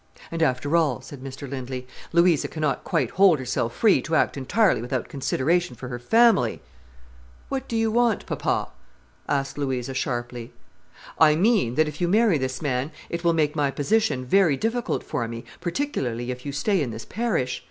"And after all," said Mr Lindley, "Louisa cannot quite hold herself free to act entirely without consideration for her family." "What do you want, papa?" asked Louisa sharply. "I mean that if you marry this man, it will make my position very difficult for me, particularly if you stay in this parish.